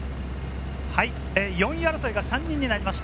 ４位争いが３人になりました。